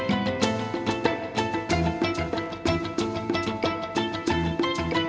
sama aceh kakaknya